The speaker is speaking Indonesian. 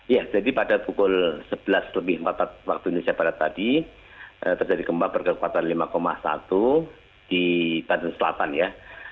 ya jadi pada pukul sebelas lebih empat waktu indonesia barat tadi terjadi gempa berkekuatan lima satu di banten selatan ya